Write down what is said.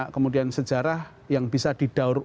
kemudian sejarah yang bisa didaur